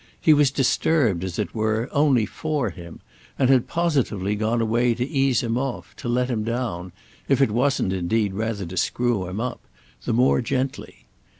He was disturbed, as it were, only for him, and had positively gone away to ease him off, to let him down—if it wasn't indeed rather to screw him up—the more gently.